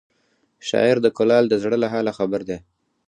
شاعر د کلال د زړه له حاله خبر دی